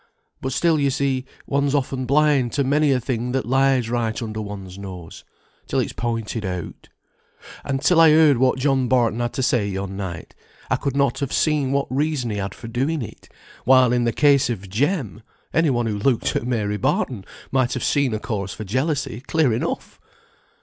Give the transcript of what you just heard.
But still, you see, one's often blind to many a thing that lies right under one's nose, till it's pointed out. And till I heard what John Barton had to say yon night, I could not have seen what reason he had for doing it; while in the case of Jem, any one who looked at Mary Barton might have seen a cause for jealousy, clear enough."